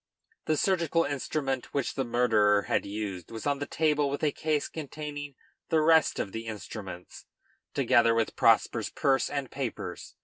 ] The surgical instrument which the murderer had used was on the table with the case containing the rest of the instruments, together with Prosper's purse and papers.